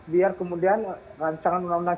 biar kemudian rancangan menonang nacip